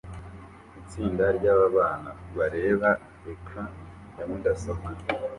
itsinda ryabana bareba ecran ya mudasobwa